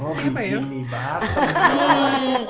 oh bikin ini banget